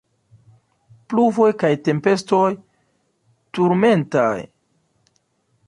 Pluvoj kaj tempestoj turmentaj.